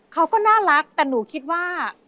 เขาก็น่ารักแต่หนูคิดว่า